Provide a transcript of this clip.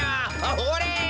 ほれ！